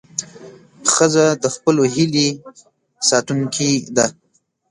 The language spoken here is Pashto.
ښځه د خپلو هیلې ساتونکې ده.